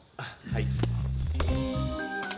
はい。